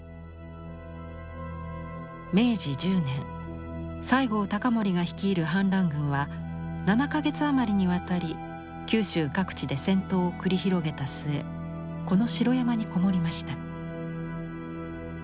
明治１０年西郷隆盛が率いる反乱軍は７か月余りにわたり九州各地で戦闘を繰り広げた末この城山にこもりました。